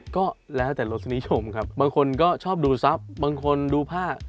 ก็แล้วแต่ลสนิยมครับบางคนก็ชอบดูซับบางคนดูภาค